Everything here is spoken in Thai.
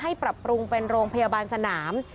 ปรับปรุงเป็นโรงพยาบาลสนาม